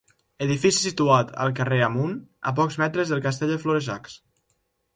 Edifici situat al carrer Amunt, a pocs metres del castell de Florejacs.